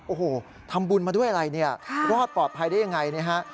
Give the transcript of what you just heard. โอ้โหทำบุญมาด้วยอะไรเนี่ยรอดปลอดภัยได้ยังไงนะฮะ